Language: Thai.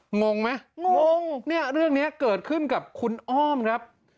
งงไหมงงเนี่ยเรื่องนี้เกิดขึ้นกับคุณอ้อมครับ